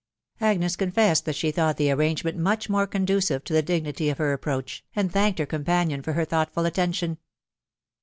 Agnes confessed that she thought the arrangement much more conducive to the dignity of her approach, and thanked ^er companion for her thoughtful attention.